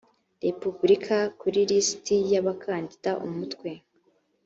repubulika buri lisiti y abakandida umutwe